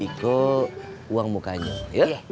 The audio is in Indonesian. itu uang mukanya ya